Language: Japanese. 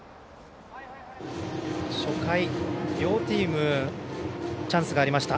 初回、両チームチャンスがありました。